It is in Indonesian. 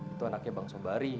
itu anaknya bang sobari